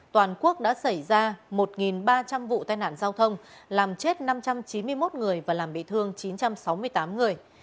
toàn quốc đã xảy ra một ba trăm linh vụ tai nạn giao thông làm chết năm trăm chín mươi một người và làm bị thương chín trăm sáu mươi tám người